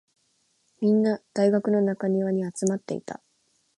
みんな、大学の中庭に集まっていた。